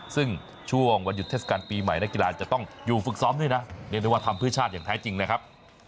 ซึ่งช่วงวันหยุดเทศกาลปีใหม่นักกีฬาจะต้องอยู่ฝึกซ้อมด้วยนะเรียกได้ว่าทำเพื่อชาติอย่างแท้จริงนะครับ